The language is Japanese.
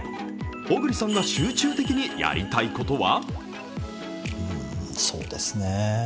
小栗さんが集中的にやりたいことは？